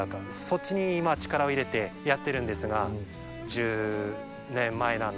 そっちに今力を入れてやってるんですが。